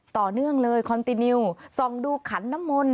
ต่อเนื่องเลยคอนตินิวส่องดูขันน้ำมนต